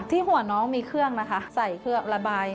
หัวน้องมีเครื่องนะคะใส่เครื่องระบาย